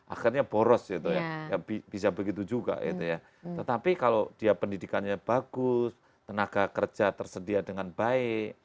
akhirnya boros itu ya bisa begitu juga tetapi kalau dia pendidikannya bagus tenaga kerja tersedia dengan baik